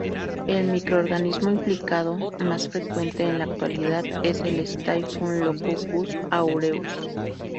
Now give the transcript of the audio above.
El microorganismo implicado más frecuentemente en la actualidad es el "Staphylococcus aureus".